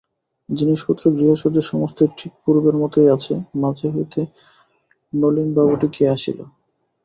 জিনিসপত্র গৃহসজ্জা সমস্তই ঠিক পূর্বের মতোই আছে, মাঝে হইতে নলিনবাবুটি কে আসিল?